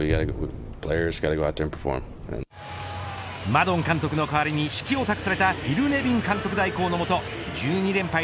マドン監督の代わりに指揮を託されたフィル・ネビン監督代行のもと１２連敗